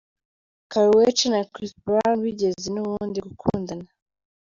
Karrueche na Chris Brown bigeze n'ubundi gukundana.